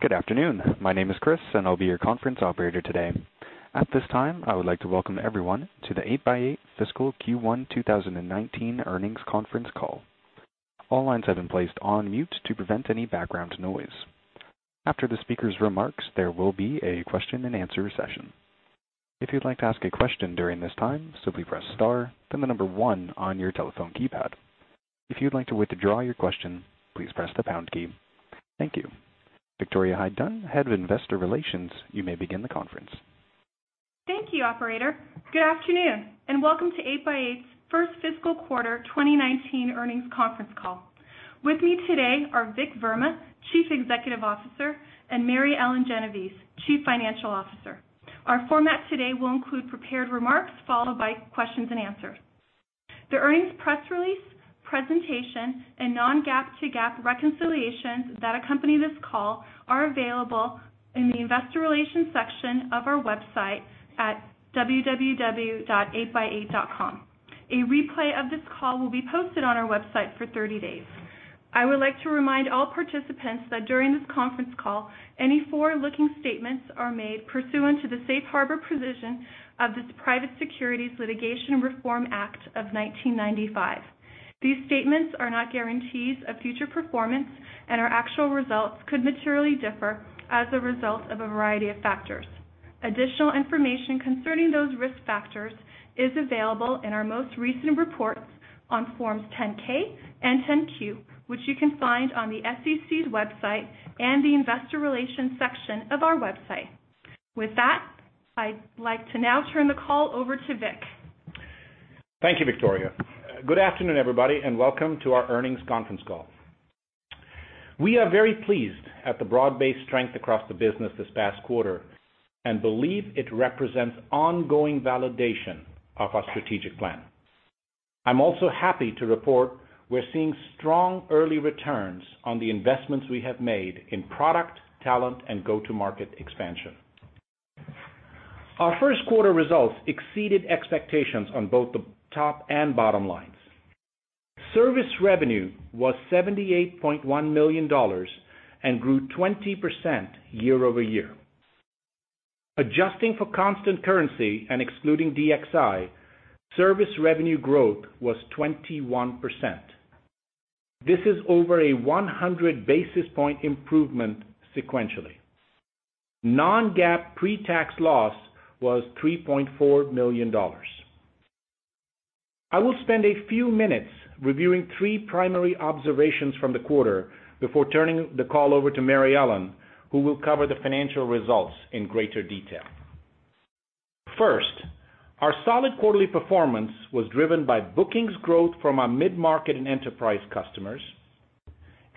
Good afternoon. My name is Chris, and I'll be your conference operator today. At this time, I would like to welcome everyone to the 8x8 Fiscal Q1 2019 Earnings Conference Call. All lines have been placed on mute to prevent any background noise. After the speaker's remarks, there will be a question and answer session. If you'd like to ask a question during this time, simply press star, then 1 on your telephone keypad. If you'd like to withdraw your question, please press the pound key. Thank you. Victoria Hyde-Dunn, Head of Investor Relations, you may begin the conference. Thank you, operator. Good afternoon, and welcome to 8x8's first fiscal quarter 2019 earnings conference call. With me today are Vik Verma, Chief Executive Officer, and Mary Ellen Genovese, Chief Financial Officer. Our format today will include prepared remarks followed by questions and answers. The earnings press release presentation and non-GAAP to GAAP reconciliations that accompany this call are available in the investor relations section of our website at www.8x8.com. A replay of this call will be posted on our website for 30 days. I would like to remind all participants that during this conference call, any forward-looking statements are made pursuant to the Safe Harbor provision of this Private Securities Litigation Reform Act of 1995. These statements are not guarantees of future performance and our actual results could materially differ as a result of a variety of factors. Additional information concerning those risk factors is available in our most recent reports on forms 10-K and 10-Q, which you can find on the SEC's website and the investor relations section of our website. With that, I'd like to now turn the call over to Vik. Thank you, Victoria. Good afternoon, everybody, welcome to our earnings conference call. We are very pleased at the broad-based strength across the business this past quarter and believe it represents ongoing validation of our strategic plan. I'm also happy to report we're seeing strong early returns on the investments we have made in product, talent, and go-to-market expansion. Our first quarter results exceeded expectations on both the top and bottom lines. Service revenue was $78.1 million and grew 20% year-over-year. Adjusting for constant currency and excluding DXi, service revenue growth was 21%. This is over a 100 basis point improvement sequentially. Non-GAAP pre-tax loss was $3.4 million. I will spend a few minutes reviewing three primary observations from the quarter before turning the call over to Mary Ellen, who will cover the financial results in greater detail. First, our solid quarterly performance was driven by bookings growth from our mid-market and enterprise customers,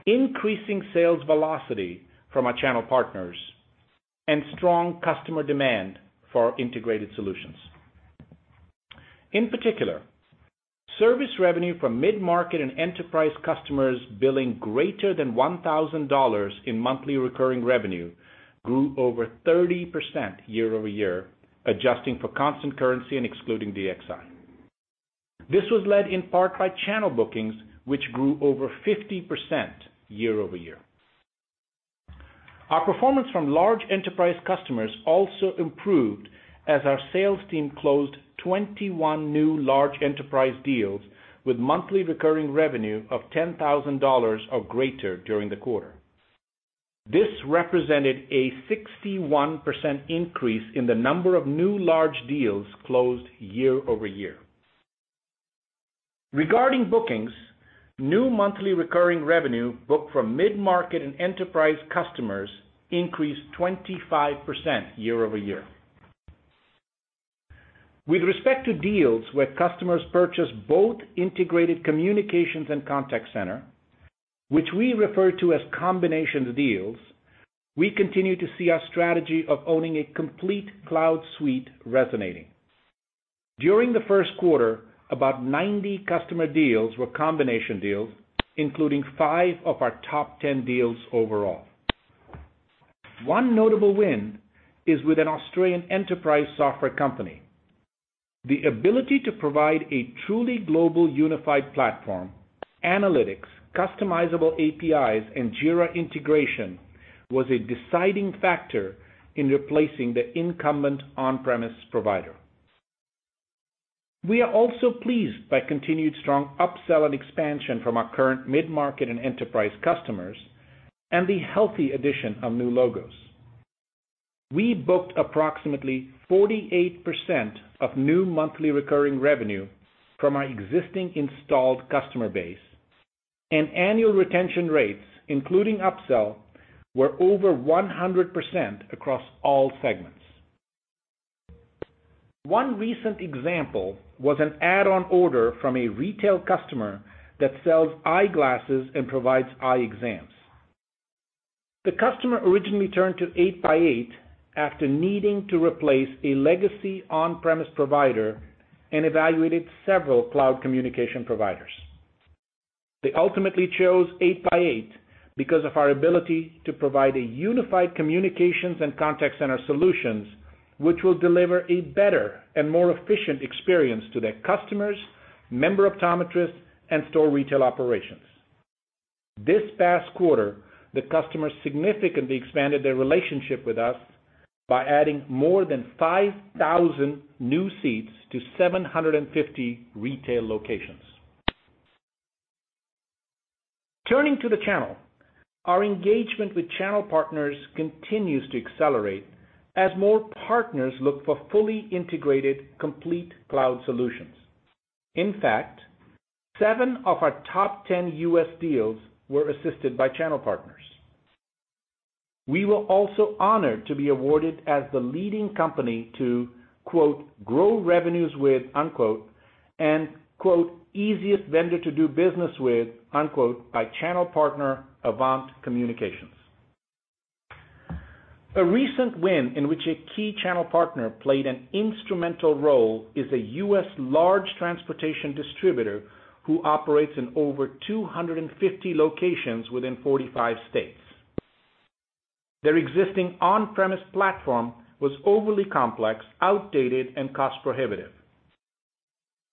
increasing sales velocity from our channel partners, and strong customer demand for integrated solutions. In particular, service revenue from mid-market and enterprise customers billing greater than $1,000 in monthly recurring revenue grew over 30% year-over-year, adjusting for constant currency and excluding DXi. This was led in part by channel bookings, which grew over 50% year-over-year. Our performance from large enterprise customers also improved as our sales team closed 21 new large enterprise deals with monthly recurring revenue of $10,000 or greater during the quarter. This represented a 61% increase in the number of new large deals closed year-over-year. Regarding bookings, new monthly recurring revenue booked from mid-market and enterprise customers increased 25% year-over-year. With respect to deals where customers purchase both integrated communications and contact center, which we refer to as combination deals, we continue to see our strategy of owning a complete cloud suite resonating. During the first quarter, about 90 customer deals were combination deals, including five of our top 10 deals overall. One notable win is with an Australian enterprise software company. The ability to provide a truly global unified platform, analytics, customizable APIs, and Jira integration was a deciding factor in replacing the incumbent on-premise provider. We are also pleased by continued strong upsell and expansion from our current mid-market and enterprise customers and the healthy addition of new logos. We booked approximately 48% of new monthly recurring revenue from our existing installed customer base, and annual retention rates, including upsell, were over 100% across all segments. One recent example was an add-on order from a retail customer that sells eyeglasses and provides eye exams. The customer originally turned to 8x8 after needing to replace a legacy on-premise provider and evaluated several cloud communication providers. They ultimately chose 8x8 because of our ability to provide a unified communications and contact center solutions, which will deliver a better and more efficient experience to their customers, member optometrists, and store retail operations. This past quarter, the customers significantly expanded their relationship with us by adding more than 5,000 new seats to 750 retail locations. Turning to the channel, our engagement with channel partners continues to accelerate as more partners look for fully integrated, complete cloud solutions. In fact, seven of our top 10 U.S. deals were assisted by channel partners. We were also honored to be awarded as the leading company to, quote, "grow revenues with," unquote, and, quote, "easiest vendor to do business with," unquote, by channel partner AVANT Communications. A recent win in which a key channel partner played an instrumental role is a U.S. large transportation distributor who operates in over 250 locations within 45 states. Their existing on-premise platform was overly complex, outdated, and cost prohibitive.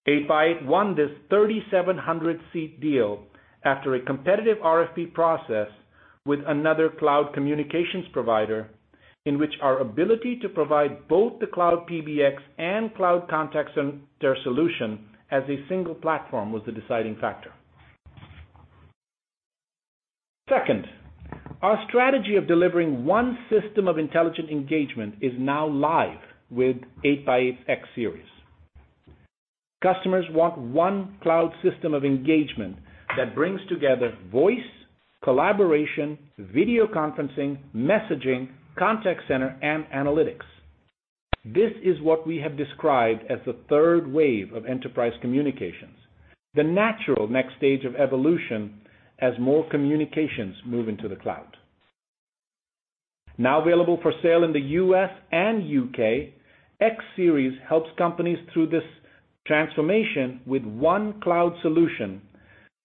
8x8 won this 3,700-seat deal after a competitive RFP process with another cloud communications provider, in which our ability to provide both the cloud PBX and cloud contact center solution as a single platform was the deciding factor. Second, our strategy of delivering one system of intelligent engagement is now live with 8x8's X Series. Customers want one cloud system of engagement that brings together voice, collaboration, video conferencing, messaging, contact center, and analytics. This is what we have described as the third wave of enterprise communications, the natural next stage of evolution as more communications move into the cloud. Now available for sale in the U.S. and U.K., X Series helps companies through this transformation with one cloud solution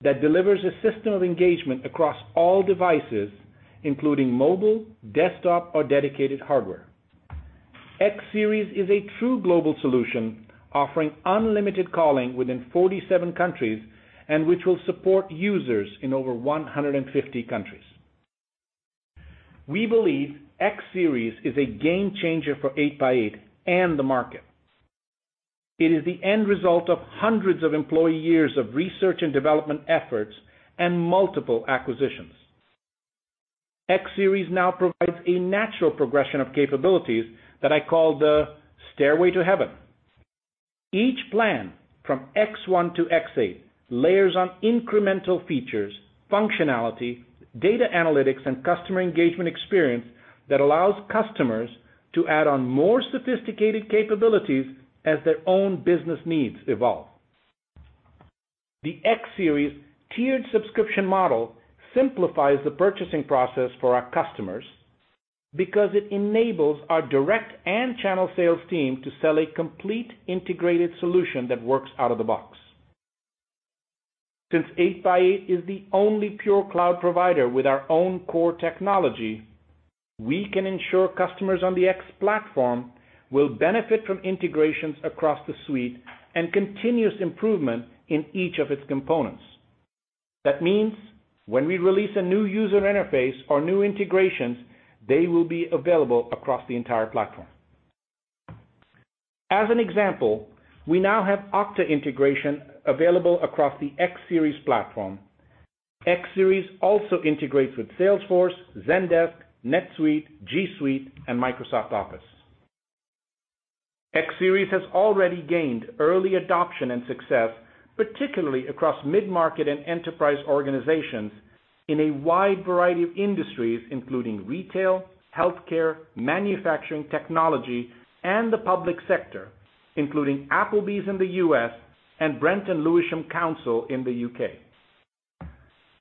that delivers a system of engagement across all devices, including mobile, desktop, or dedicated hardware. X Series is a true global solution, offering unlimited calling within 47 countries, and which will support users in over 150 countries. We believe X Series is a game changer for 8x8 and the market. It is the end result of hundreds of employee years of research and development efforts and multiple acquisitions. X Series now provides a natural progression of capabilities that I call the stairway to heaven. Each plan, from X1 to X8, layers on incremental features, functionality, data analytics, and customer engagement experience that allows customers to add on more sophisticated capabilities as their own business needs evolve. The X Series tiered subscription model simplifies the purchasing process for our customers because it enables our direct and channel sales team to sell a complete integrated solution that works out of the box. Since 8x8 is the only pure cloud provider with our own core technology, we can ensure customers on the X platform will benefit from integrations across the suite and continuous improvement in each of its components. That means when we release a new user interface or new integrations, they will be available across the entire platform. As an example, we now have Okta integration available across the X Series platform. X Series also integrates with Salesforce, Zendesk, NetSuite, G Suite, and Microsoft Office. X Series has already gained early adoption and success, particularly across mid-market and enterprise organizations in a wide variety of industries, including retail, healthcare, manufacturing, technology, and the public sector, including Applebee's in the U.S. and Brent & Lewisham Council in the U.K.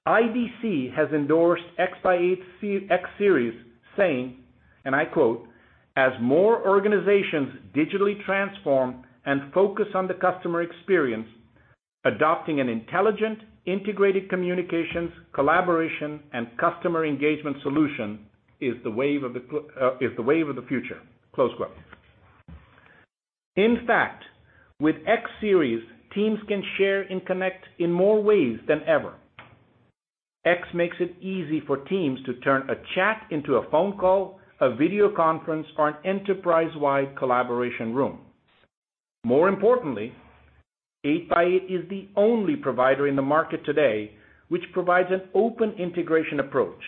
IDC has endorsed 8x8 X Series, saying, and I quote, "As more organizations digitally transform and focus on the customer experience, adopting an intelligent, integrated communications, collaboration, and customer engagement solution is the wave of the future." Close quote. In fact, with X Series, teams can share and connect in more ways than ever. X makes it easy for teams to turn a chat into a phone call, a video conference, or an enterprise-wide collaboration room. More importantly, 8x8 is the only provider in the market today which provides an open integration approach.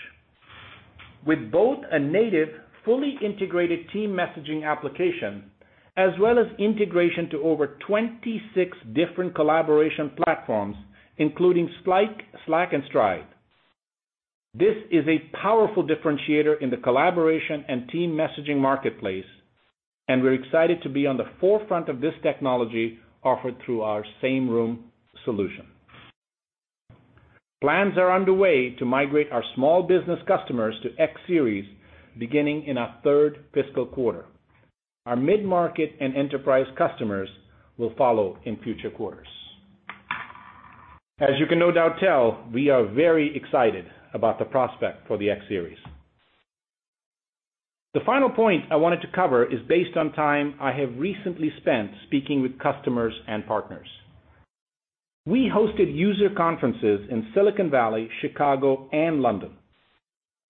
With both a native, fully integrated team messaging application, as well as integration to over 26 different collaboration platforms, including Slack and Stride. This is a powerful differentiator in the collaboration and team messaging marketplace, and we're excited to be on the forefront of this technology offered through our Sameroom solution. Plans are underway to migrate our small business customers to X Series beginning in our third fiscal quarter. Our mid-market and enterprise customers will follow in future quarters. As you can no doubt tell, we are very excited about the prospect for the X Series. The final point I wanted to cover is based on time I have recently spent speaking with customers and partners. We hosted user conferences in Silicon Valley, Chicago, and London.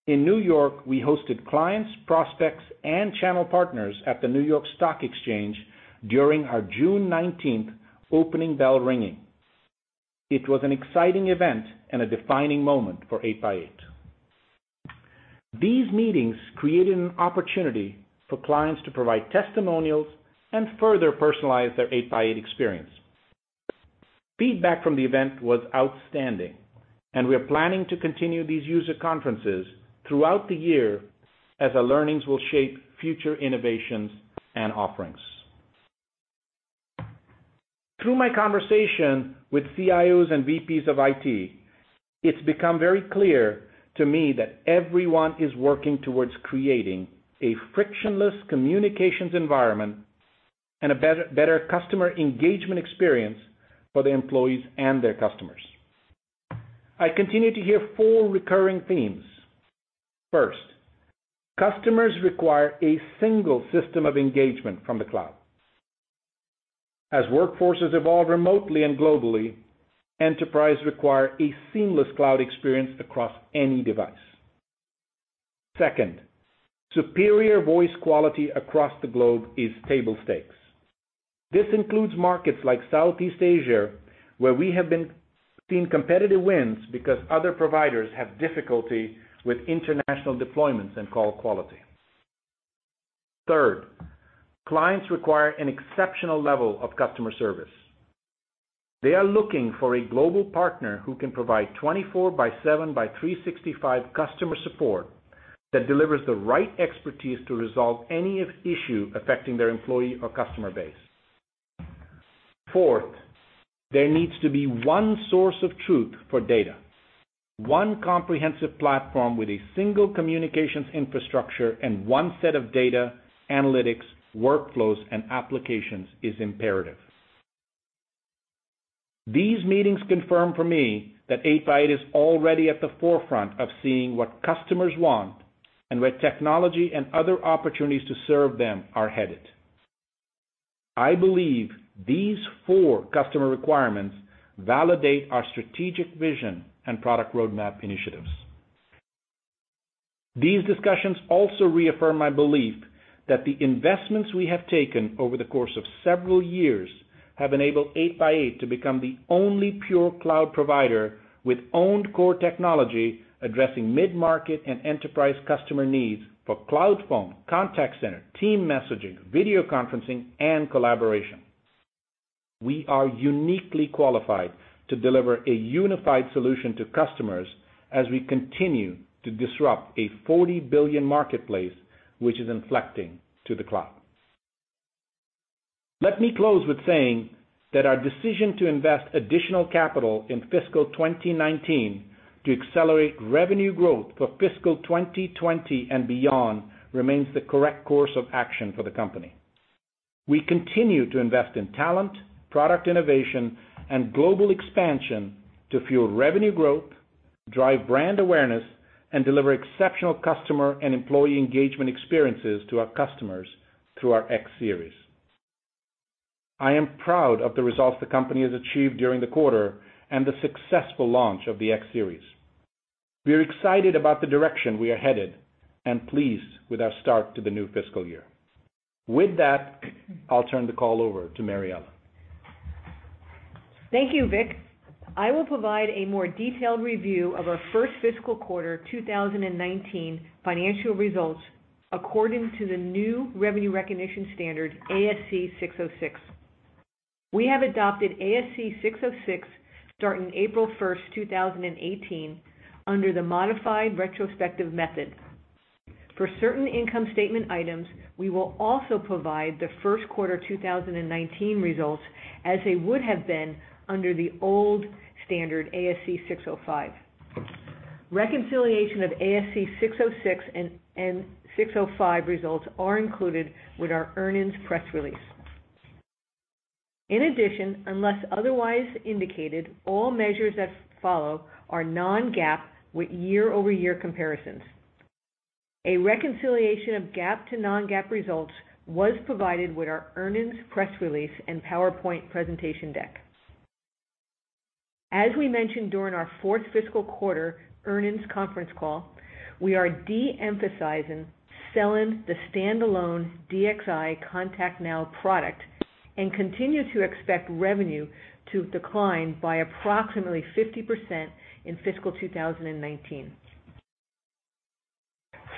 In New York, we hosted clients, prospects, and channel partners at the New York Stock Exchange during our June 19th opening bell ringing. It was an exciting event and a defining moment for 8x8. These meetings created an opportunity for clients to provide testimonials and further personalize their 8x8 experience. Feedback from the event was outstanding, and we're planning to continue these user conferences throughout the year as our learnings will shape future innovations and offerings. Through my conversation with CIOs and VPs of IT, it's become very clear to me that everyone is working towards creating a frictionless communications environment and a better customer engagement experience for the employees and their customers. I continue to hear four recurring themes. First, customers require a single system of engagement from the cloud. As workforces evolve remotely and globally, enterprise require a seamless cloud experience across any device. Second, superior voice quality across the globe is table stakes. This includes markets like Southeast Asia, where we have been seeing competitive wins because other providers have difficulty with international deployments and call quality. Third, clients require an exceptional level of customer service. They are looking for a global partner who can provide 24/7/365 customer support that delivers the right expertise to resolve any issue affecting their employee or customer base. Fourth, there needs to be one source of truth for data. One comprehensive platform with a single communications infrastructure and one set of data, analytics, workflows, and applications is imperative. These meetings confirm for me that 8x8 is already at the forefront of seeing what customers want and where technology and other opportunities to serve them are headed. I believe these four customer requirements validate our strategic vision and product roadmap initiatives. These discussions also reaffirm my belief that the investments we have taken over the course of several years have enabled 8x8 to become the only pure cloud provider with owned core technology addressing mid-market and enterprise customer needs for cloud phone, contact center, team messaging, video conferencing, and collaboration. We are uniquely qualified to deliver a unified solution to customers as we continue to disrupt a $40 billion marketplace, which is inflecting to the cloud. Let me close with saying that our decision to invest additional capital in fiscal 2019 to accelerate revenue growth for fiscal 2020 and beyond remains the correct course of action for the company. We continue to invest in talent, product innovation, and global expansion to fuel revenue growth, drive brand awareness, and deliver exceptional customer and employee engagement experiences to our customers through our X Series. I am proud of the results the company has achieved during the quarter and the successful launch of the X Series. We are excited about the direction we are headed and pleased with our start to the new fiscal year. With that, I'll turn the call over to Mary Ellen. Thank you, Vik. I will provide a more detailed review of our first fiscal quarter 2019 financial results according to the new revenue recognition standard, ASC 606. We have adopted ASC 606 starting April 1st, 2018 under the modified retrospective method. For certain income statement items, we will also provide the first quarter 2019 results as they would have been under the old standard, ASC 605. Reconciliation of ASC 606 and 605 results are included with our earnings press release. In addition, unless otherwise indicated, all measures that follow are non-GAAP with year-over-year comparisons. A reconciliation of GAAP to non-GAAP results was provided with our earnings press release and PowerPoint presentation deck. As we mentioned during our fourth fiscal quarter earnings conference call, we are de-emphasizing selling the standalone DXi Contact Now product and continue to expect revenue to decline by approximately 50% in fiscal 2019.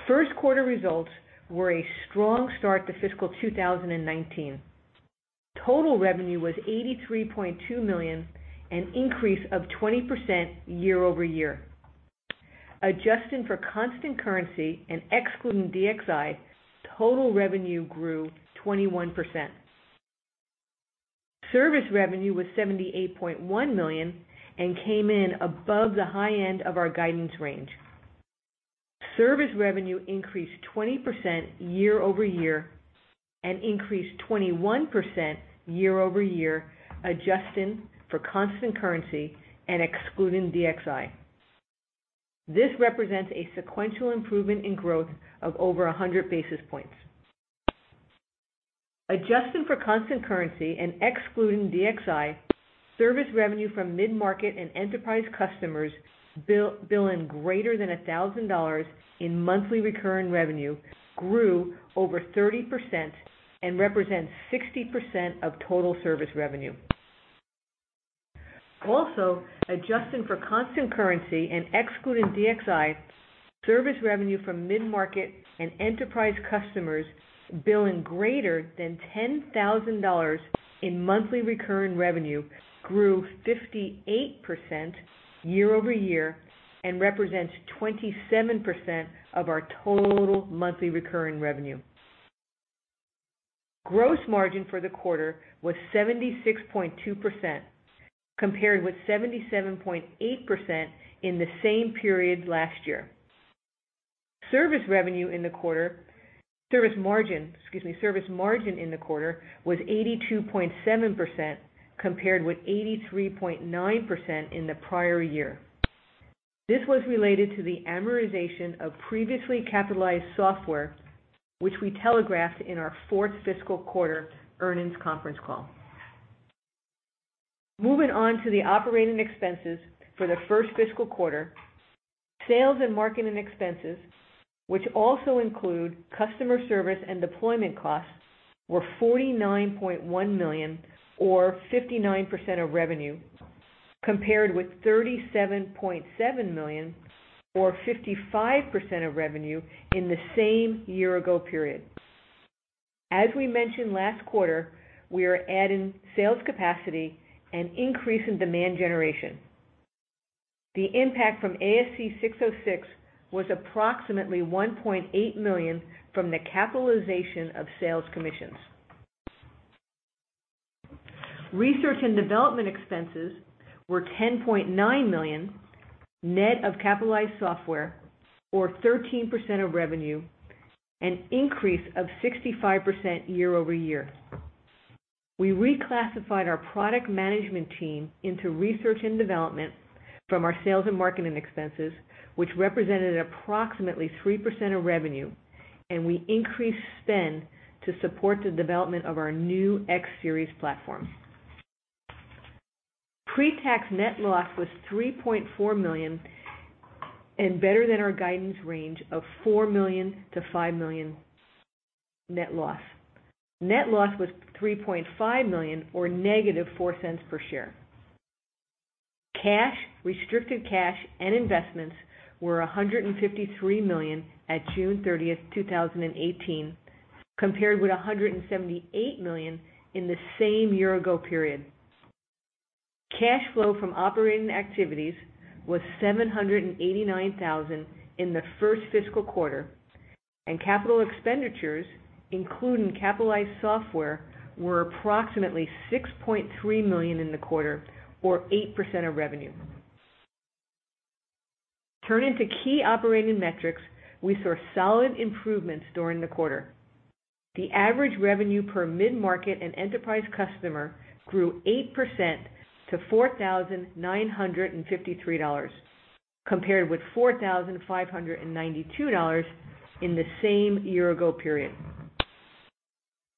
First quarter results were a strong start to fiscal 2019. Total revenue was $83.2 million, an increase of 20% year-over-year. Adjusting for constant currency and excluding DXi, total revenue grew 21%. Service revenue was $78.1 million and came in above the high end of our guidance range. Service revenue increased 20% year-over-year and increased 21% year-over-year, adjusting for constant currency and excluding DXi. This represents a sequential improvement in growth of over 100 basis points. Adjusting for constant currency and excluding DXi, service revenue from mid-market and enterprise customers billing greater than $1,000 in monthly recurring revenue grew over 30% and represents 60% of total service revenue. Also, adjusting for constant currency and excluding DXi, service revenue from mid-market and enterprise customers billing greater than $10,000 in monthly recurring revenue grew 58% year-over-year and represents 27% of our total monthly recurring revenue. Gross margin for the quarter was 76.2%, compared with 77.8% in the same period last year. Service margin in the quarter was 82.7%, compared with 83.9% in the prior year. This was related to the amortization of previously capitalized software, which we telegraphed in our fourth fiscal quarter earnings conference call. Moving on to the operating expenses for the first fiscal quarter. Sales and marketing expenses, which also include customer service and deployment costs, were $49.1 million, or 59% of revenue, compared with $37.7 million or 55% of revenue in the same year-ago period. As we mentioned last quarter, we are adding sales capacity and increasing demand generation. The impact from ASC 606 was approximately $1.8 million from the capitalization of sales commissions. Research and development expenses were $10.9 million, net of capitalized software, or 13% of revenue, an increase of 65% year-over-year. We reclassified our product management team into research and development from our sales and marketing expenses, which represented approximately 3% of revenue, and we increased spend to support the development of our new X Series platform. Pre-tax net loss was $3.4 million and better than our guidance range of $4 million-$5 million net loss. Net loss was $3.5 million, or -$0.04 per share. Cash, restricted cash and investments were $153 million at June 30th, 2018, compared with $178 million in the same year-ago period. Cash flow from operating activities was $789,000 in the first fiscal quarter, and capital expenditures, including capitalized software, were approximately $6.3 million in the quarter or 8% of revenue. Turning to key operating metrics, we saw solid improvements during the quarter. The average revenue per mid-market and enterprise customer grew 8% to $4,953, compared with $4,592 in the same year-ago period.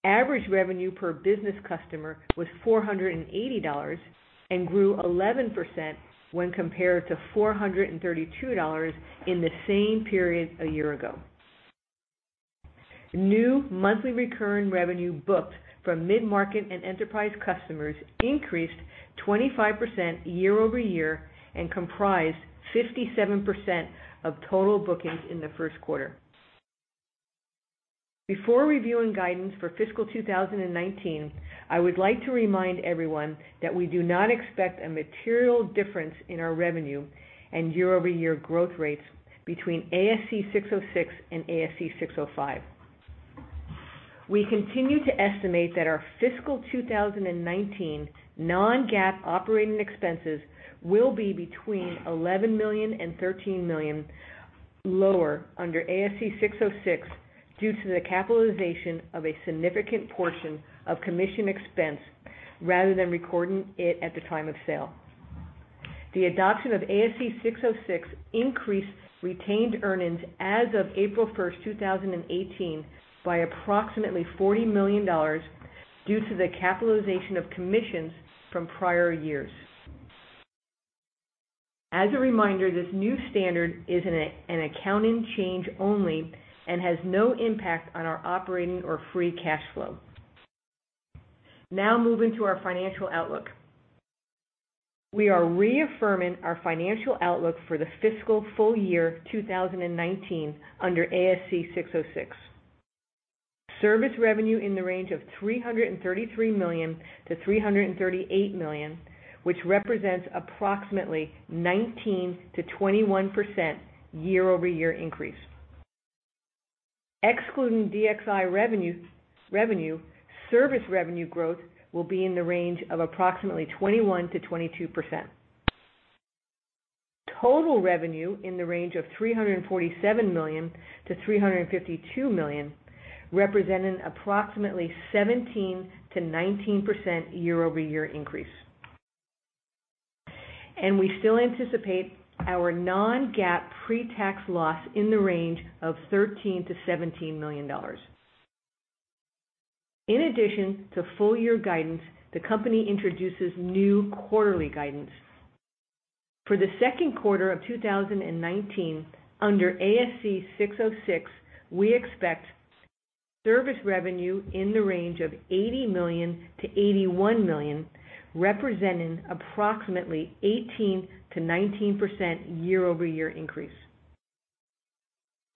Average revenue per business customer was $480 and grew 11% when compared to $432 in the same period a year ago. New monthly recurring revenue booked from mid-market and enterprise customers increased 25% year-over-year and comprised 57% of total bookings in the first quarter. Before reviewing guidance for fiscal 2019, I would like to remind everyone that we do not expect a material difference in our revenue and year-over-year growth rates between ASC 606 and ASC 605. We continue to estimate that our fiscal 2019 non-GAAP operating expenses will be between $11 million and $13 million lower under ASC 606 due to the capitalization of a significant portion of commission expense rather than recording it at the time of sale. The adoption of ASC 606 increased retained earnings as of April 1st, 2018, by approximately $40 million due to the capitalization of commissions from prior years. As a reminder, this new standard is an accounting change only and has no impact on our operating or free cash flow. Now moving to our financial outlook. We are reaffirming our financial outlook for the fiscal full year 2019 under ASC 606. Service revenue in the range of $333 million-$338 million, which represents approximately 19%-21% year-over-year increase. Excluding DXi revenue, service revenue growth will be in the range of approximately 21%-22%. Total revenue in the range of $347 million-$352 million, representing approximately 17%-19% year-over-year increase. We still anticipate our non-GAAP pre-tax loss in the range of $13 million-$17 million. In addition to full-year guidance, the company introduces new quarterly guidance. For the second quarter of 2019, under ASC 606, we expect service revenue in the range of $80 million-$81 million, representing approximately 18%-19% year-over-year increase.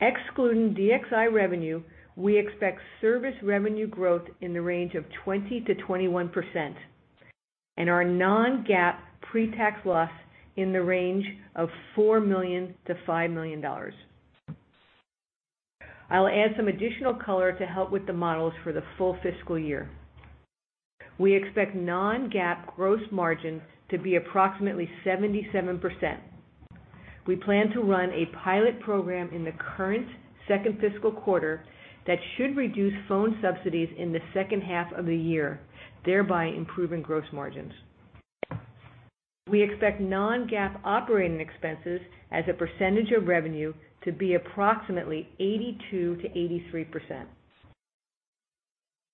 Excluding DXi revenue, we expect service revenue growth in the range of 20%-21%, and our non-GAAP pre-tax loss in the range of $4 million-$5 million. I'll add some additional color to help with the models for the full fiscal year. We expect non-GAAP gross margin to be approximately 77%. We plan to run a pilot program in the current second fiscal quarter that should reduce phone subsidies in the second half of the year, thereby improving gross margins. We expect non-GAAP operating expenses as a percentage of revenue to be approximately 82%-83%.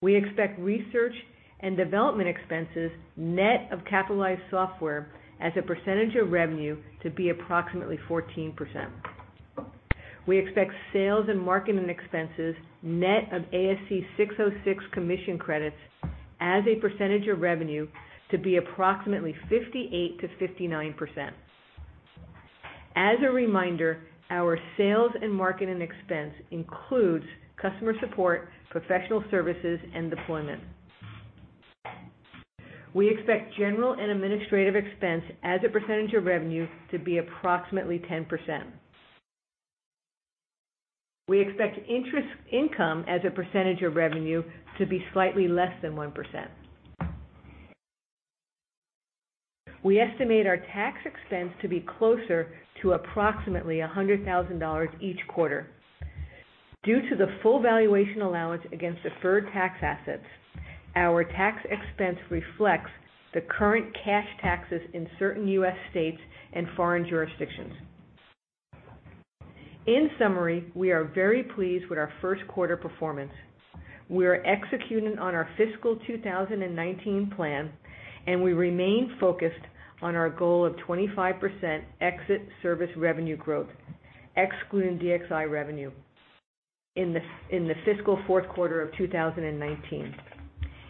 We expect research and development expenses, net of capitalized software as a percentage of revenue, to be approximately 14%. We expect sales and marketing expenses, net of ASC 606 commission credits as a percentage of revenue, to be approximately 58%-59%. As a reminder, our sales and marketing expense includes customer support, professional services, and deployment. We expect general and administrative expense as a percentage of revenue to be approximately 10%. We expect interest income as a percentage of revenue to be slightly less than 1%. We estimate our tax expense to be closer to approximately $100,000 each quarter. Due to the full valuation allowance against deferred tax assets, our tax expense reflects the current cash taxes in certain U.S. states and foreign jurisdictions. In summary, we are very pleased with our first quarter performance. We are executing on our fiscal 2019 plan, and we remain focused on our goal of 25% exit service revenue growth, excluding DXi revenue, in the fiscal fourth quarter of 2019.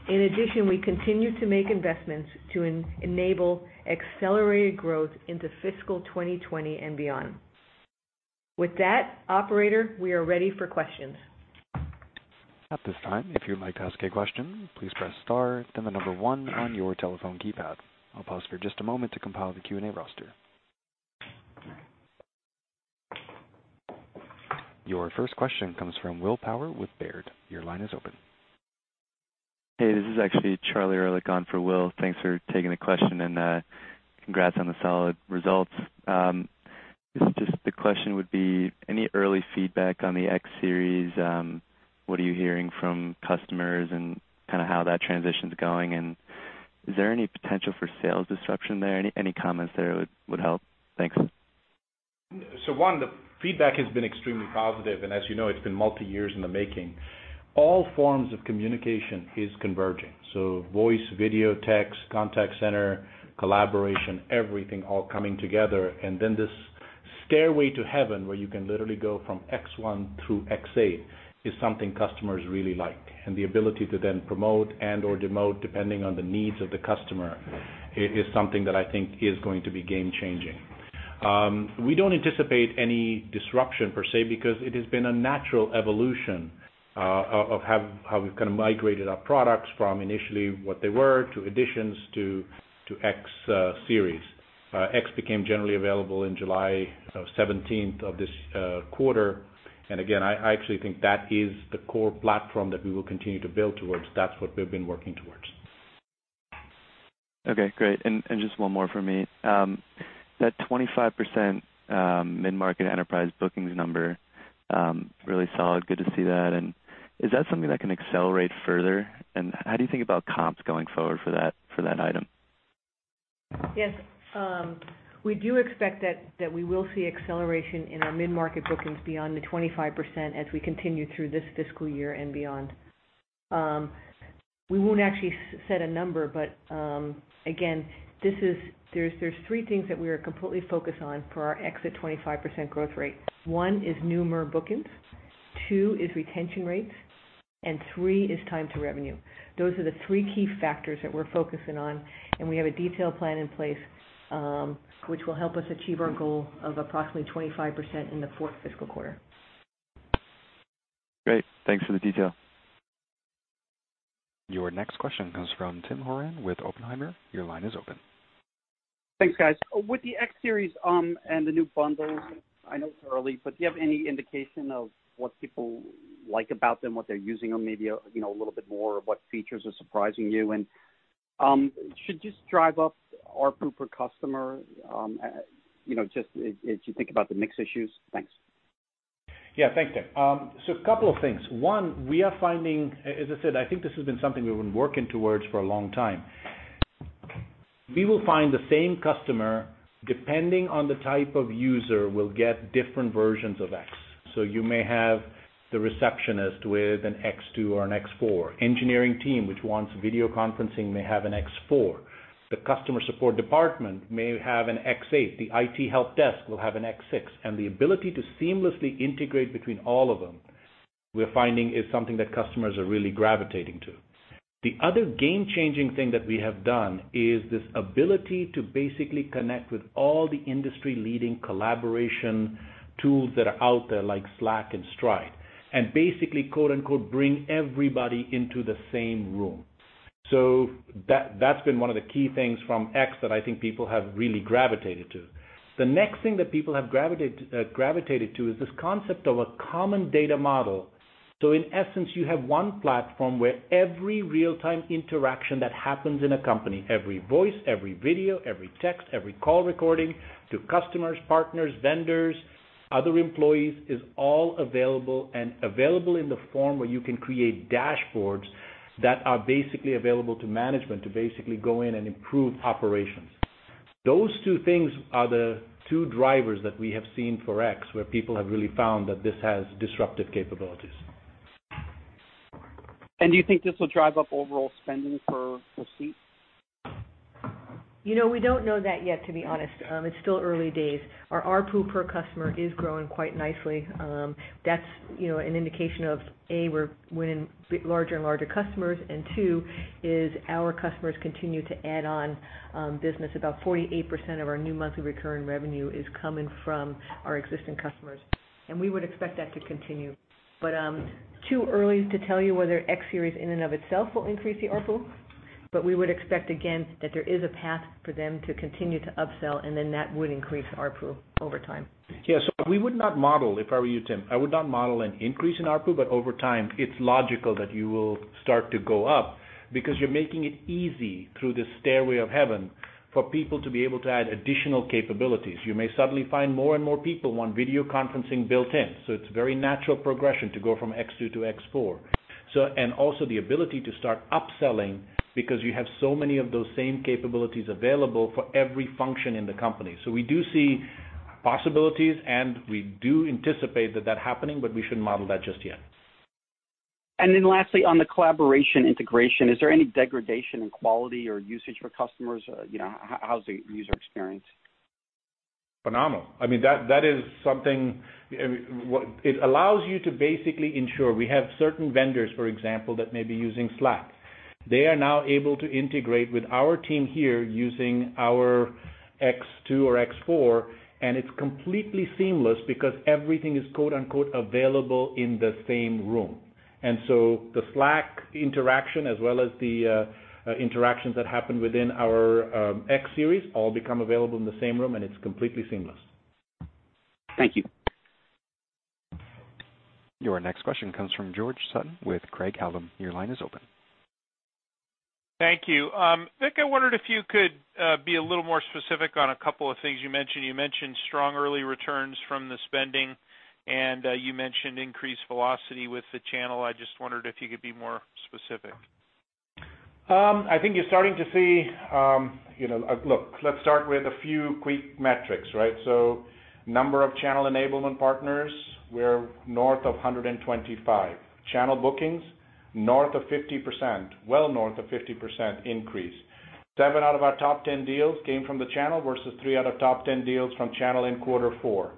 In addition, we continue to make investments to enable accelerated growth into fiscal 2020 and beyond. With that, operator, we are ready for questions. At this time, if you would like to ask a question, please press star, then the number one on your telephone keypad. I'll pause for just a moment to compile the Q&A roster. Your first question comes from Will Power with Baird. Your line is open. Hey, this is actually Charlie Ehrlich on for Will. Thanks for taking the question. Congrats on the solid results. The question would be, any early feedback on the X Series? What are you hearing from customers and how that transition's going? Is there any potential for sales disruption there? Any comments there would help. Thanks. One, the feedback has been extremely positive, and as you know, it's been multi years in the making. All forms of communication is converging, so voice, video, text, contact center, collaboration, everything all coming together. This stairway to heaven, where you can literally go from X1 through X8, is something customers really like. The ability to then promote and/or demote depending on the needs of the customer is something that I think is going to be game changing. We don't anticipate any disruption per se, because it has been a natural evolution of how we've migrated our products from initially what they were, to Editions, to X Series. X became generally available in July 17th of this quarter. Again, I actually think that is the core platform that we will continue to build towards. That's what we've been working towards. Okay, great. Just one more from me. That 25% mid-market enterprise bookings number, really solid. Good to see that. Is that something that can accelerate further? How do you think about comps going forward for that item? Yes. We do expect that we will see acceleration in our mid-market bookings beyond the 25% as we continue through this fiscal year and beyond. We won't actually set a number, but again, there's three things that we are completely focused on for our exit 25% growth rate. One is new MRR bookings, two is retention rates, and three is time to revenue. Those are the three key factors that we're focusing on, and we have a detailed plan in place, which will help us achieve our goal of approximately 25% in the fourth fiscal quarter. Great. Thanks for the detail. Your next question comes from Timothy Horan with Oppenheimer. Your line is open. Thanks, guys. With the X Series and the new bundles, I know it's early, but do you have any indication of what people like about them, what they're using them, maybe a little bit more of what features are surprising you? Should this drive up ARPU per customer, just as you think about the mix issues? Thanks. Yeah. Thanks, Tim. A couple of things. One, as I said, I think this has been something we've been working towards for a long time. We will find the same customer, depending on the type of user, will get different versions of X. You may have the receptionist with an X2 or an X4. Engineering team which wants video conferencing may have an X4. The customer support department may have an X8. The IT help desk will have an X6. The ability to seamlessly integrate between all of them, we're finding is something that customers are really gravitating to. The other game-changing thing that we have done is this ability to basically connect with all the industry-leading collaboration tools that are out there, like Slack and Stride, and basically "bring everybody into the same room." That's been one of the key things from X that I think people have really gravitated to. The next thing that people have gravitated to is this concept of a common data model. In essence, you have one platform where every real-time interaction that happens in a company, every voice, every video, every text, every call recording to customers, partners, vendors, other employees, is all available and available in the form where you can create dashboards that are basically available to management to basically go in and improve operations. Those two things are the two drivers that we have seen for X, where people have really found that this has disruptive capabilities. Do you think this will drive up overall spending per seat? We don't know that yet, to be honest. It's still early days. Our ARPU per customer is growing quite nicely. That's an indication of, A, we're winning larger and larger customers, and two, is our customers continue to add on business. About 48% of our new MRR is coming from our existing customers, and we would expect that to continue. Too early to tell you whether X Series in and of itself will increase the ARPU, but we would expect again, that there is a path for them to continue to upsell, and then that would increase ARPU over time. Yeah. If I were you, Tim, I would not model an increase in ARPU, but over time, it's logical that you will start to go up because you're making it easy through the stairway of heaven for people to be able to add additional capabilities. You may suddenly find more and more people want video conferencing built in, it's a very natural progression to go from X2 to X4. The ability to start upselling because you have so many of those same capabilities available for every function in the company. We do see possibilities, and we do anticipate that happening, we shouldn't model that just yet. Lastly, on the collaboration integration, is there any degradation in quality or usage for customers? How's the user experience? Phenomenal. It allows you to basically ensure we have certain vendors, for example, that may be using Slack. They are now able to integrate with our team here using our X2 or X4, and it's completely seamless because everything is "available in the same room." The Slack interaction as well as the interactions that happen within our X Series all become available in the same room, and it's completely seamless. Thank you. Your next question comes from George Sutton with Craig-Hallum. Your line is open. Thank you. Vik, I wondered if you could be a little more specific on a couple of things you mentioned. You mentioned strong early returns from the spending, and you mentioned increased velocity with the channel. I just wondered if you could be more specific. Let's start with a few quick metrics, right? Number of channel enablement partners, we're north of 125. Channel bookings, north of 50%, well north of 50% increase. Seven out of our top 10 deals came from the channel versus three out of top 10 deals from channel in quarter four.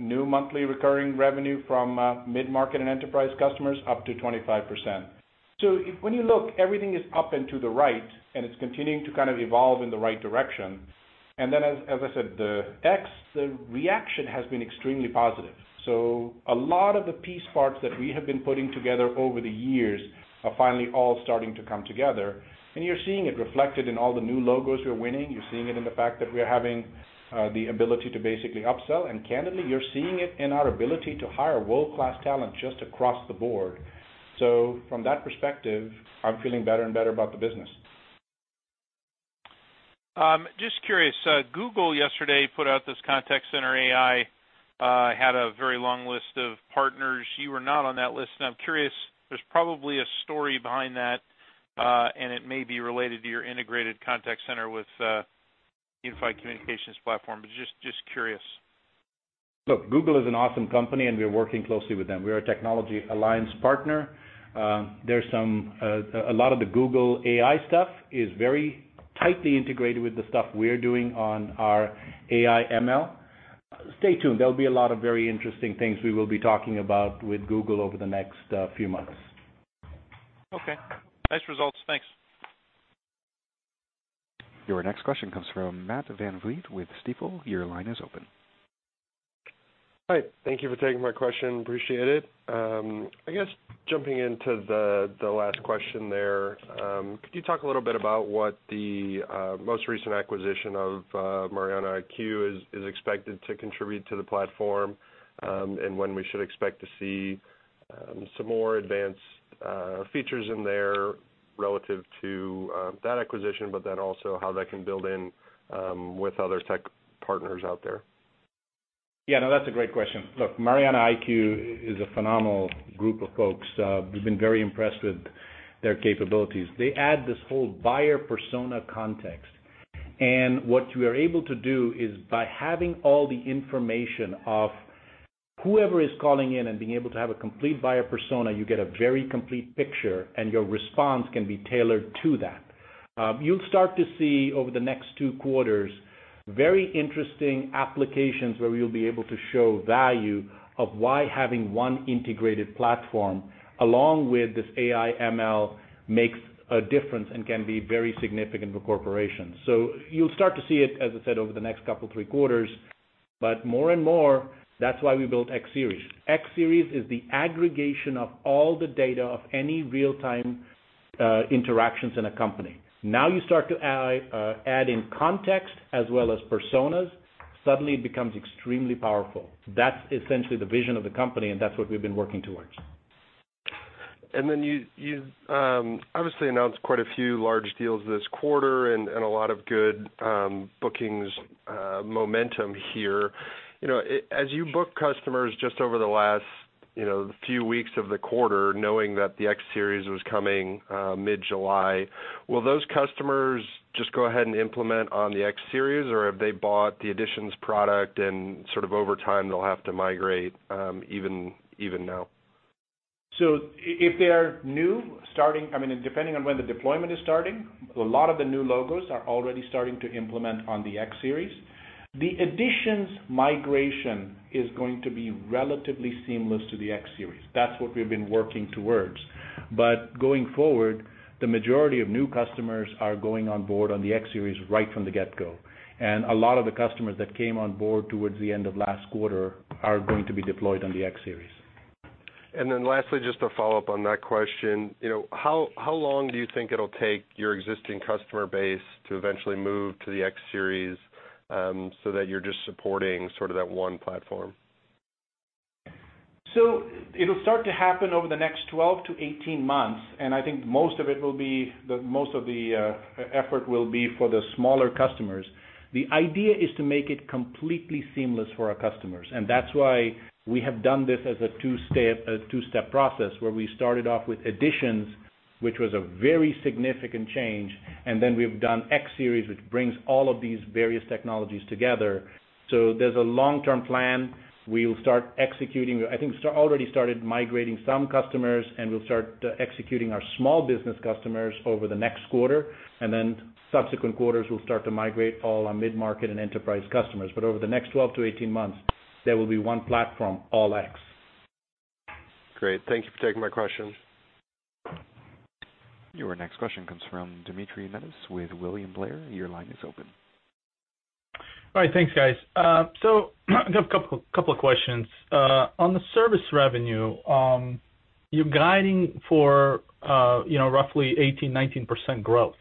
New monthly recurring revenue from mid-market and enterprise customers, up to 25%. When you look, everything is up and to the right, and it's continuing to kind of evolve in the right direction. As I said, the X, the reaction has been extremely positive. A lot of the piece parts that we have been putting together over the years are finally all starting to come together, and you're seeing it reflected in all the new logos we're winning. You're seeing it in the fact that we're having the ability to basically upsell, and candidly, you're seeing it in our ability to hire world-class talent just across the board. From that perspective, I'm feeling better and better about the business. Just curious, Google yesterday put out this Contact Center AI, had a very long list of partners. You were not on that list, and I'm curious, there's probably a story behind that, and it may be related to your integrated contact center with unified communications platform. Just curious. Look, Google is an awesome company, and we are working closely with them. We are a technology alliance partner. A lot of the Google AI stuff is very tightly integrated with the stuff we're doing on our AI ML. Stay tuned. There'll be a lot of very interesting things we will be talking about with Google over the next few months. Okay. Nice results, thanks. Your next question comes from Matt VanVleet with Stifel. Your line is open. Hi. Thank you for taking my question, appreciate it. I guess, jumping into the last question there, could you talk a little bit about what the most recent acquisition of MarianaIQ is expected to contribute to the platform? When we should expect to see some more advanced features in there relative to that acquisition, but then also how that can build in with other tech partners out there. Yeah, no, that's a great question. Look, MarianaIQ is a phenomenal group of folks. We've been very impressed with their capabilities. They add this whole buyer persona context, and what you are able to do is by having all the information of whoever is calling in and being able to have a complete buyer persona, you get a very complete picture and your response can be tailored to that. You'll start to see over the next 2 quarters, very interesting applications where we'll be able to show value of why having one integrated platform along with this AI ML makes a difference and can be very significant for corporations. You'll start to see it, as I said, over the next couple, three quarters, but more and more, that's why we built X Series. X Series is the aggregation of all the data of any real-time interactions in a company. Now you start to add in context as well as personas, suddenly it becomes extremely powerful. That's essentially the vision of the company, and that's what we've been working towards. You obviously announced quite a few large deals this quarter and a lot of good bookings momentum here. As you book customers just over the last few weeks of the quarter, knowing that the X Series was coming mid-July, will those customers just go ahead and implement on the X Series? Or have they bought the Editions product and sort of over time they'll have to migrate, even now? If they are new, depending on when the deployment is starting, a lot of the new logos are already starting to implement on the X Series. The Editions migration is going to be relatively seamless to the X Series. That's what we've been working towards. Going forward, the majority of new customers are going on board on the X Series right from the get-go. A lot of the customers that came on board towards the end of last quarter are going to be deployed on the X Series. Lastly, just to follow up on that question, how long do you think it'll take your existing customer base to eventually move to the X Series, so that you're just supporting sort of that one platform? It'll start to happen over the next 12 to 18 months, and I think most of the effort will be for the smaller customers. The idea is to make it completely seamless for our customers, and that's why we have done this as a two-step process where we started off with Editions, which was a very significant change. We've done X Series, which brings all of these various technologies together. There's a long-term plan we'll start executing. I think we already started migrating some customers, we'll start executing our small business customers over the next quarter, then subsequent quarters we'll start to migrate all our mid-market and enterprise customers. Over the next 12 to 18 months, there will be one platform, all X. Great. Thank you for taking my question. Your next question comes from Dmitry Netis with William Blair. Your line is open. All right, thanks guys. I have a couple of questions. On the service revenue, you're guiding for roughly 18%-19% growth.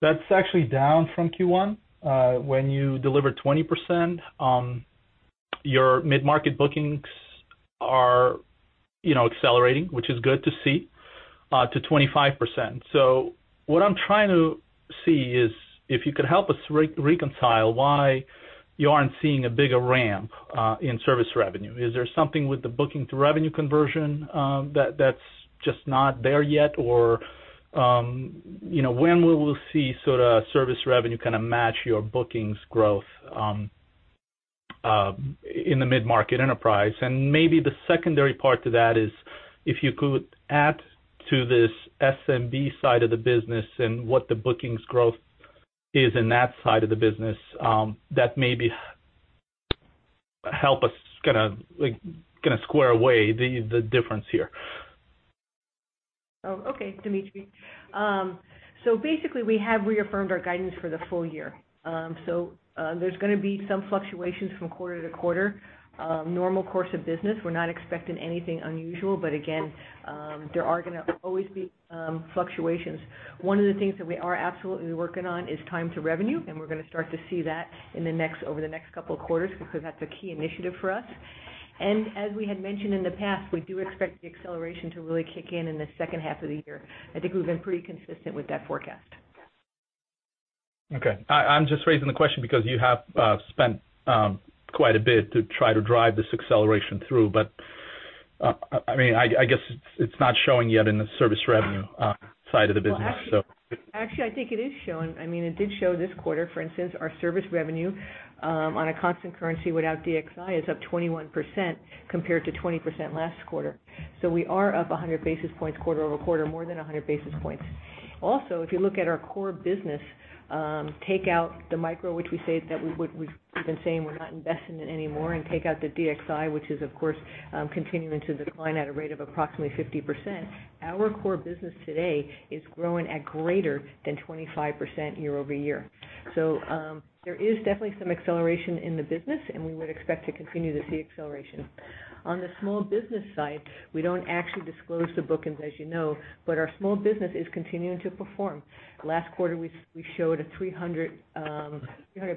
That's actually down from Q1, when you delivered 20%. Your mid-market bookings are accelerating, which is good to see, to 25%. What I'm trying to see is if you could help us reconcile why you aren't seeing a bigger ramp in service revenue. Is there something with the booking to revenue conversion that's just not there yet? Or when will we see sort of service revenue kind of match your bookings growth in the mid-market enterprise? And maybe the secondary part to that is if you could add to this SMB side of the business and what the bookings growth is in that side of the business, that maybe help us kind of square away the difference here. Oh, okay, Dmitry. Basically, we have reaffirmed our guidance for the full year. There's going to be some fluctuations from quarter to quarter. Normal course of business, we're not expecting anything unusual, but again, there are going to always be fluctuations. One of the things that we are absolutely working on is time to revenue, and we're going to start to see that over the next couple of quarters because that's a key initiative for us. As we had mentioned in the past, we do expect the acceleration to really kick in in the second half of the year. I think we've been pretty consistent with that forecast. Okay. I'm just raising the question because you have spent quite a bit to try to drive this acceleration through. I guess it's not showing yet in the service revenue side of the business. Actually, I think it is showing. It did show this quarter, for instance, our service revenue on a constant currency without DXi is up 21% compared to 20% last quarter. We are up 100 basis points quarter-over-quarter, more than 100 basis points. Also, if you look at our core business, take out the micro, which we've been saying we're not investing in anymore, and take out the DXi, which is of course continuing to decline at a rate of approximately 50%, our core business today is growing at greater than 25% year-over-year. There is definitely some acceleration in the business, and we would expect to continue to see acceleration. On the small business side, we don't actually disclose the bookings, as you know, but our small business is continuing to perform. Last quarter, we showed a 300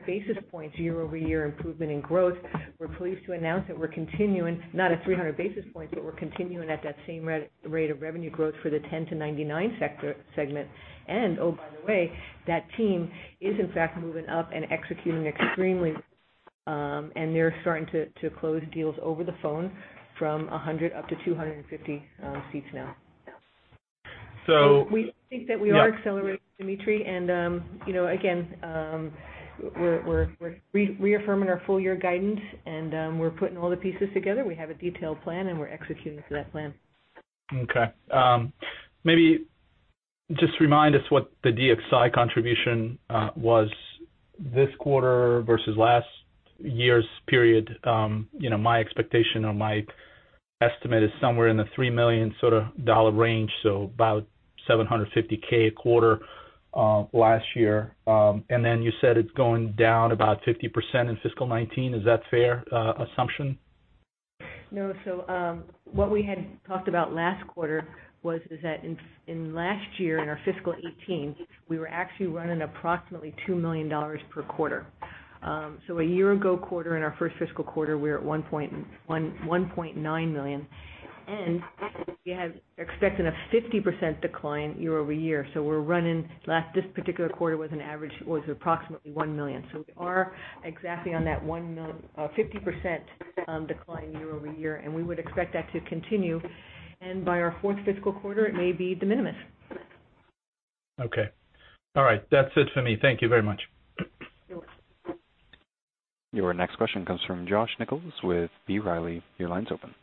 basis points year-over-year improvement in growth. We're pleased to announce that we're continuing, not at 300 basis points, but we're continuing at that same rate of revenue growth for the 10 to 99 segment. Oh, by the way, that team is in fact moving up and executing extremely, and they're starting to close deals over the phone from 100 up to 250 seats now. So- We think that we are accelerating, Dmitry. Again, we're reaffirming our full year guidance and we're putting all the pieces together. We have a detailed plan, and we're executing to that plan. Okay. Maybe just remind us what the DXi contribution was this quarter versus last year's period. My expectation or my estimate is somewhere in the $3 million sort of dollar range, so about $750,000 a quarter last year. Then you said it's going down about 50% in fiscal 2019. Is that fair assumption? No. What we had talked about last quarter was is that in last year, in our fiscal 2018, we were actually running approximately $2 million per quarter. A year ago quarter, in our first fiscal quarter, we were at $1.9 million, and we have expected a 50% decline year-over-year. We're running, this particular quarter was an average, was approximately $1 million. We are exactly on that 50% decline year-over-year, and we would expect that to continue. By our fourth fiscal quarter, it may be de minimis. Okay. All right. That's it for me. Thank you very much. You're welcome. Your next question comes from Josh Nichols with B. Riley. Your line's open.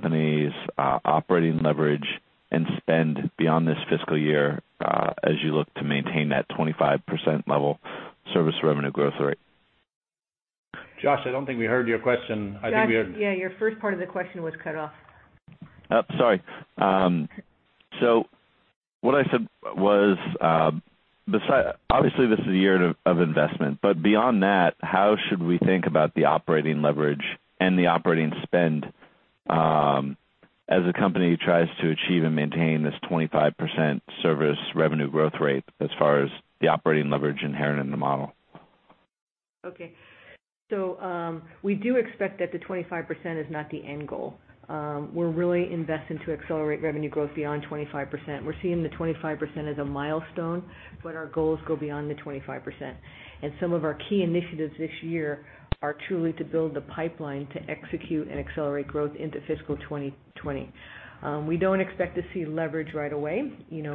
Company's operating leverage and spend beyond this fiscal year, as you look to maintain that 25% level service revenue growth rate. Josh, I don't think we heard your question. Josh, yeah, your first part of the question was cut off. Oh, sorry. What I said was, obviously this is a year of investment, but beyond that, how should we think about the operating leverage and the operating spend as the company tries to achieve and maintain this 25% service revenue growth rate as far as the operating leverage inherent in the model? Okay. We do expect that the 25% is not the end goal. We're really investing to accelerate revenue growth beyond 25%. We're seeing the 25% as a milestone, but our goals go beyond the 25%. Some of our key initiatives this year are truly to build the pipeline to execute and accelerate growth into fiscal 2020. We don't expect to see leverage right away.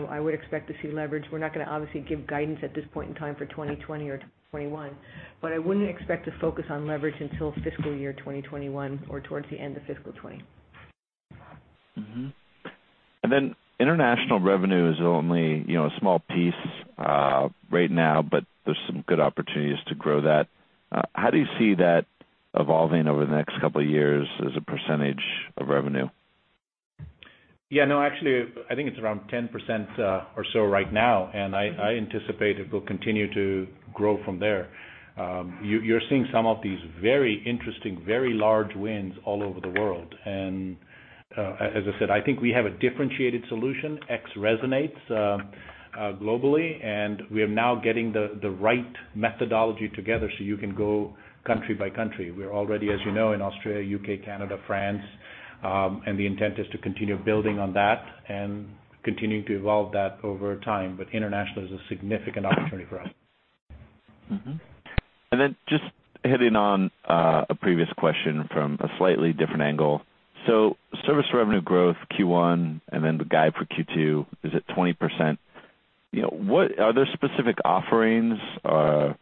I would expect to see leverage. We're not going to obviously give guidance at this point in time for 2020 or 2021, but I wouldn't expect to focus on leverage until fiscal year 2021 or towards the end of fiscal 2020. Mm-hmm. International revenue is only a small piece right now, but there's some good opportunities to grow that. How do you see that evolving over the next couple of years as a percentage of revenue? Yeah, no, actually, I think it's around 10% or so right now, I anticipate it will continue to grow from there. You're seeing some of these very interesting, very large wins all over the world. As I said, I think we have a differentiated solution. X resonates globally, we are now getting the right methodology together so you can go country by country. We're already, as you know, in Australia, U.K., Canada, France. The intent is to continue building on that and continuing to evolve that over time. International is a significant opportunity for us. Mm-hmm. Just hitting on a previous question from a slightly different angle. Service revenue growth Q1 and then the guide for Q2 is at 20%. Are there specific offerings or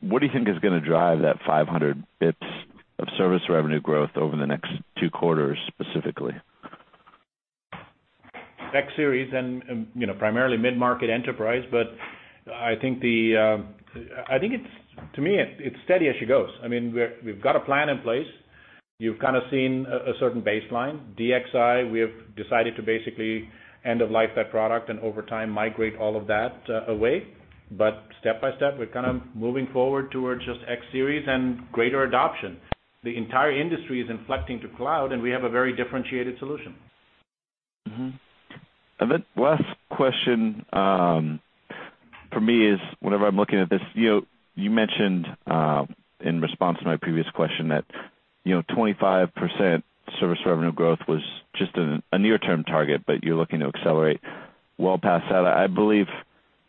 what do you think is going to drive that 500 basis points of service revenue growth over the next two quarters specifically? X Series and primarily mid-market enterprise, I think to me, it's steady as she goes. We've got a plan in place. You've kind of seen a certain baseline. DXi, we have decided to basically end of life that product and over time migrate all of that away. Step by step, we're kind of moving forward towards just X Series and greater adoption. The entire industry is inflecting to cloud, we have a very differentiated solution. Mm-hmm. Last question- For me is whenever I'm looking at this, you mentioned in response to my previous question that 25% service revenue growth was just a near-term target, you're looking to accelerate well past that. I believe,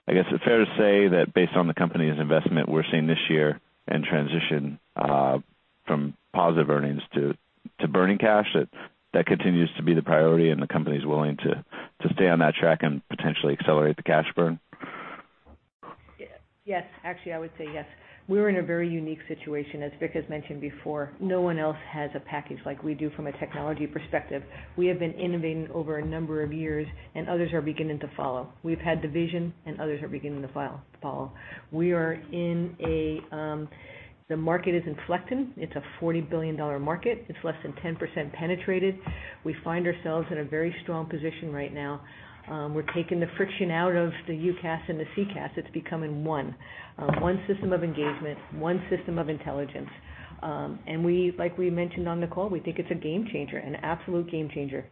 I guess it's fair to say that based on the company's investment we're seeing this year and transition from positive earnings to burning cash, that continues to be the priority, the company's willing to stay on that track and potentially accelerate the cash burn? Yes. Actually, I would say yes. We are in a very unique situation. As Vik has mentioned before, no one else has a package like we do from a technology perspective. We have been innovating over a number of years, and others are beginning to follow. We've had the vision, and others are beginning to follow. The market is inflecting. It's a $40 billion market. It's less than 10% penetrated. We find ourselves in a very strong position right now. We're taking the friction out of the UCaaS and the CCaaS. It's becoming one. One system of engagement, one system of intelligence. Like we mentioned on the call, we think it's a game changer, an absolute game changer.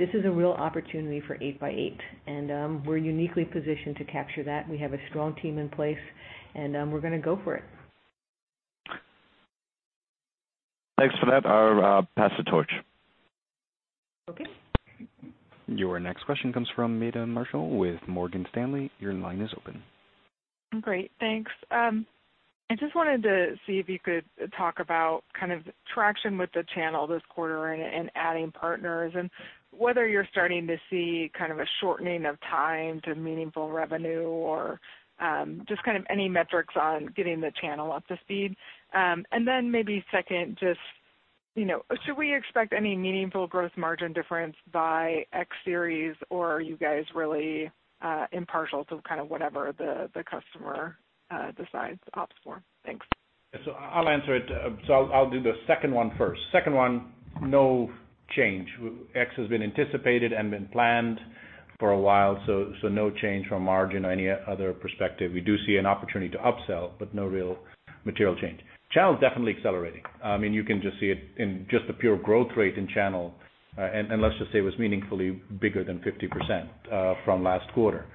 This is a real opportunity for 8x8, and we're uniquely positioned to capture that. We have a strong team in place, and we're going to go for it. Thanks for that. I'll pass the torch. Okay. Your next question comes from Meta Marshall with Morgan Stanley. Your line is open. Great. Thanks. I just wanted to see if you could talk about traction with the channel this quarter and adding partners, whether you're starting to see a shortening of time to meaningful revenue or just any metrics on getting the channel up to speed. Then maybe second, just should we expect any meaningful growth margin difference by X Series, or are you guys really impartial to whatever the customer decides to opt for? Thanks. I'll answer it. I'll do the second one first. Second one, no change. X has been anticipated and been planned for a while, no change from margin or any other perspective. We do see an opportunity to upsell, but no real material change. Channel's definitely accelerating. You can just see it in just the pure growth rate in channel. Let's just say it was meaningfully bigger than 50% from last quarter.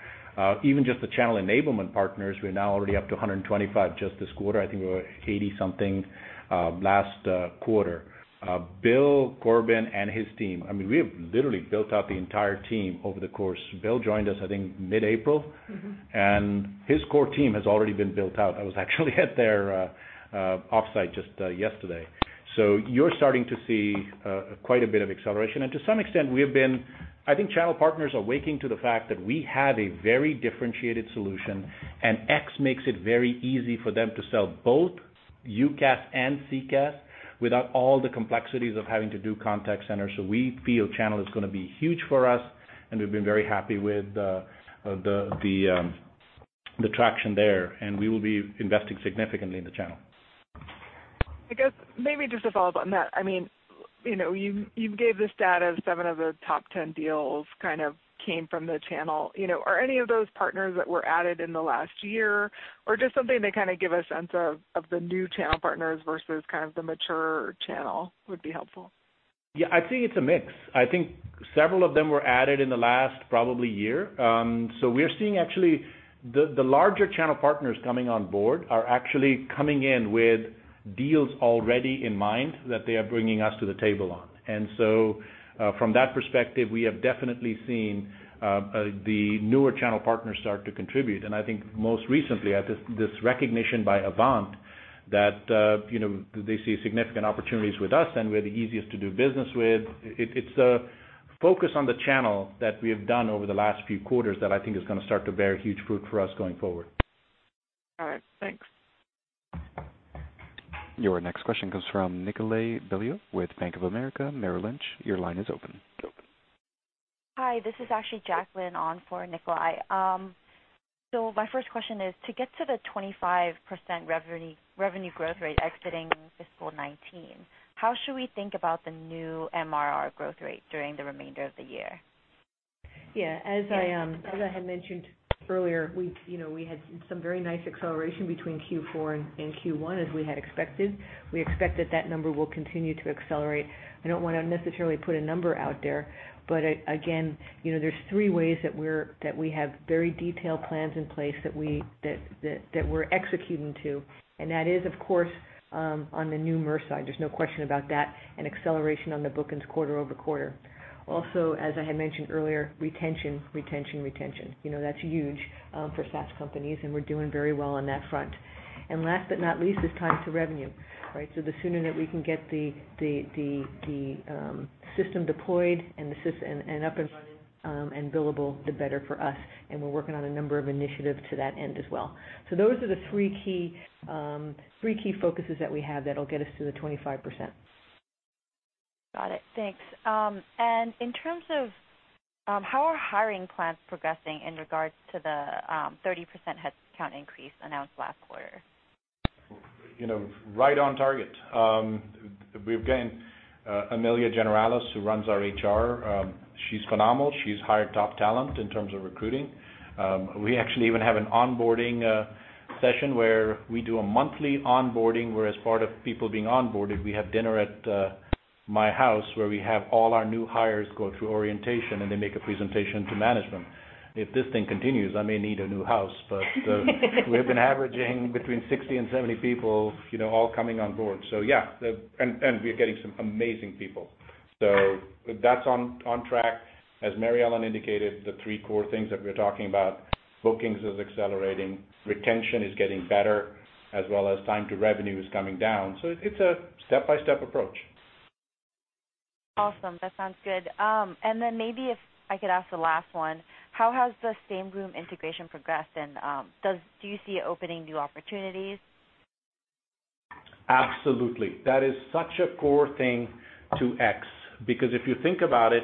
Even just the channel enablement partners, we're now already up to 125 just this quarter. I think we were 80-something last quarter. Bill Corbin and his team, we have literally built out the entire team over the course. Bill joined us, I think, mid-April. His core team has already been built out. I was actually at their offsite just yesterday. You're starting to see quite a bit of acceleration. To some extent, I think channel partners are waking to the fact that we have a very differentiated solution, and X makes it very easy for them to sell both UCaaS and CCaaS without all the complexities of having to do contact center. We feel channel is going to be huge for us, and we've been very happy with the traction there, and we will be investing significantly in the channel. I guess maybe just to follow up on that. You gave the stat of seven of the top 10 deals came from the channel. Are any of those partners that were added in the last year? Just something to give a sense of the new channel partners versus the mature channel would be helpful. Yeah, I'd say it's a mix. I think several of them were added in the last probably year. We're seeing actually the larger channel partners coming on board are actually coming in with deals already in mind that they are bringing us to the table on. From that perspective, we have definitely seen the newer channel partners start to contribute. I think most recently, this recognition by AVANT that they see significant opportunities with us and we're the easiest to do business with. It's a focus on the channel that we have done over the last few quarters that I think is going to start to bear huge fruit for us going forward. All right. Thanks. Your next question comes from Nikolay Beliov with Bank of America Merrill Lynch. Your line is open. Hi, this is actually Jacqueline on for Nikolay. My first question is, to get to the 25% revenue growth rate exiting fiscal 2019, how should we think about the new MRR growth rate during the remainder of the year? As I had mentioned earlier, we had some very nice acceleration between Q4 and Q1 as we had expected. We expect that that number will continue to accelerate. I don't want to necessarily put a number out there, but again, there's three ways that we have very detailed plans in place that we're executing to, and that is, of course, on the new MRR side. There's no question about that, and acceleration on the bookings quarter-over-quarter. As I had mentioned earlier, retention. That's huge for SaaS companies, and we're doing very well on that front. Last but not least is time to revenue, right? The sooner that we can get the system deployed and up and running and billable, the better for us, and we're working on a number of initiatives to that end as well. Those are the three key focuses that we have that'll get us to the 25%. Got it. Thanks. In terms of how are hiring plans progressing in regards to the 30% headcount increase announced last quarter? Right on target. We've gained Amelia Generalis, who runs our HR. She's phenomenal. She's hired top talent in terms of recruiting. We actually even have an onboarding session where we do a monthly onboarding, where as part of people being onboarded, we have dinner at my house where we have all our new hires go through orientation and they make a presentation to management. If this thing continues, I may need a new house. We've been averaging between 60 and 70 people all coming on board. Yeah, and we're getting some amazing people. That's on track. As Mary Ellen indicated, the three core things that we're talking about, bookings is accelerating, retention is getting better, as well as time to revenue is coming down. It's a step-by-step approach. Awesome. That sounds good. Then maybe if I could ask the last one. How has the Sameroom integration progressed, and do you see it opening new opportunities? Absolutely. That is such a core thing to X, because if you think about it,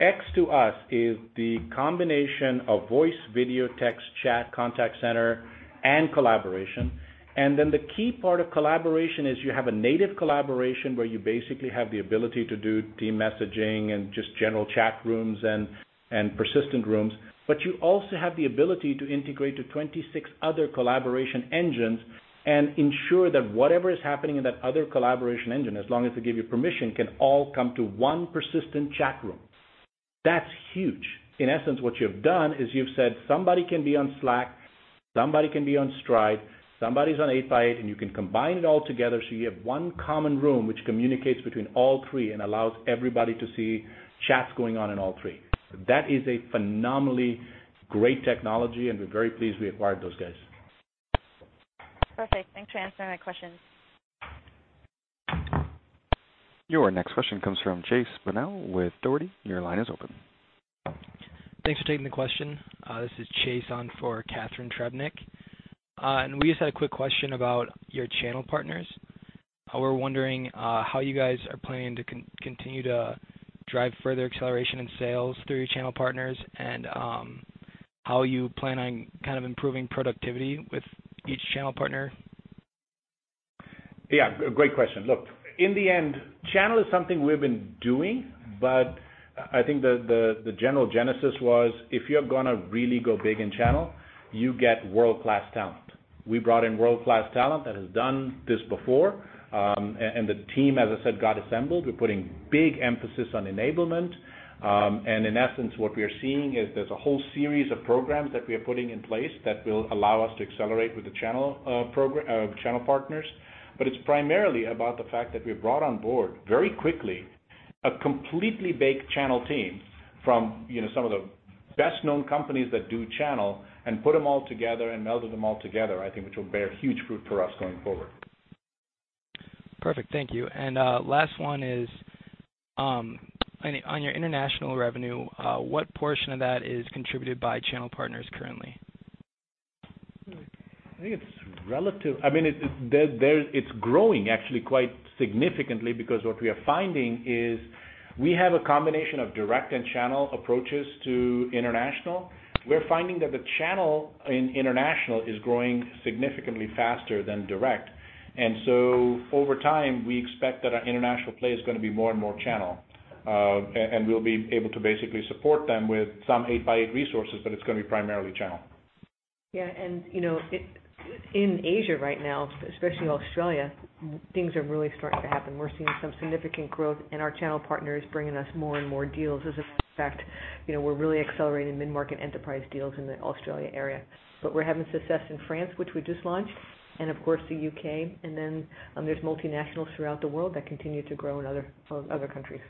X to us is the combination of voice, video, text, chat, contact center, and collaboration. Then the key part of collaboration is you have a native collaboration where you basically have the ability to do team messaging and just general chat rooms and persistent rooms, but you also have the ability to integrate to 26 other collaboration engines and ensure that whatever is happening in that other collaboration engine, as long as they give you permission, can all come to one persistent chat room. That's huge. In essence, what you've done is you've said, somebody can be on Slack, somebody can be on Stride, somebody's on 8x8, you can combine it all together so you have one common room which communicates between all three and allows everybody to see chats going on in all three. That is a phenomenally great technology, we're very pleased we acquired those guys. Perfect. Thanks for answering my questions. Your next question comes from Chase Burnell with Dougherty. Your line is open. Thanks for taking the question. This is Chase on for Catharine Trebnick. We just had a quick question about your channel partners. We're wondering how you guys are planning to continue to drive further acceleration in sales through your channel partners and how you plan on kind of improving productivity with each channel partner. Yeah, great question. Look, in the end, channel is something we've been doing, but I think the general genesis was, if you're gonna really go big in channel, you get world-class talent. We brought in world-class talent that has done this before, and the team, as I said, got assembled. We're putting big emphasis on enablement. In essence, what we are seeing is there's a whole series of programs that we are putting in place that will allow us to accelerate with the channel partners. It's primarily about the fact that we've brought on board very quickly a completely baked channel team from some of the best-known companies that do channel and put them all together and melded them all together, I think which will bear huge fruit for us going forward. Perfect. Thank you. Last one is, on your international revenue, what portion of that is contributed by channel partners currently? I think it's relative. It's growing actually quite significantly because what we are finding is we have a combination of direct and channel approaches to international. We're finding that the channel in international is growing significantly faster than direct. So over time, we expect that our international play is going to be more and more channel. We'll be able to basically support them with some 8x8 resources, but it's going to be primarily channel. Yeah, in Asia right now, especially Australia, things are really starting to happen. We're seeing some significant growth and our channel partners bringing us more and more deals. As a matter of fact, we're really accelerating mid-market enterprise deals in the Australia area. We're having success in France, which we just launched, and of course, the U.K., and then there's multinationals throughout the world that continue to grow in other countries.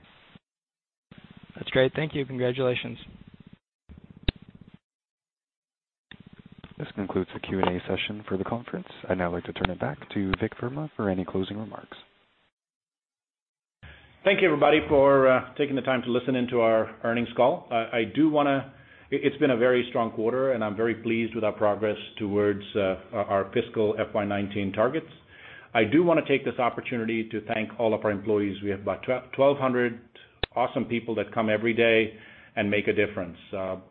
That's great. Thank you. Congratulations. This concludes the Q&A session for the conference. I'd now like to turn it back to Vik Verma for any closing remarks. Thank you, everybody, for taking the time to listen in to our earnings call. It's been a very strong quarter, and I'm very pleased with our progress towards our fiscal FY 2019 targets. I do want to take this opportunity to thank all of our employees. We have about 1,200 awesome people that come every day and make a difference.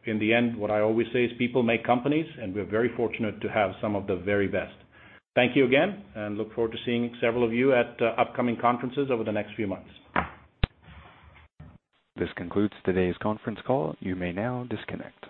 In the end, what I always say is people make companies, and we're very fortunate to have some of the very best. Thank you again, and look forward to seeing several of you at upcoming conferences over the next few months. This concludes today's conference call. You may now disconnect.